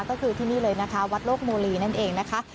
ก็คือที่นี่เลยนะคะวัดโลกโมลีนั่นเองนะคะ